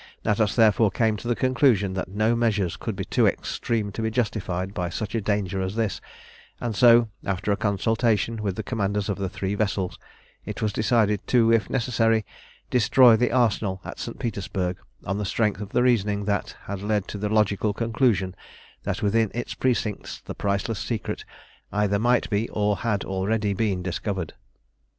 Natas therefore came to the conclusion that no measures could be too extreme to be justified by such a danger as this, and so, after a consultation with the commanders of the three vessels, it was decided to, if necessary, destroy the Arsenal at St. Petersburg, on the strength of the reasoning that had led to the logical conclusion that within its precincts the priceless secret either might be or had already been discovered.